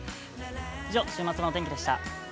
以上、週末のお天気でした。